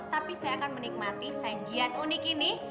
tapi saya akan menikmati sajian unik ini